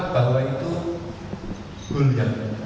bahwa itu gol yang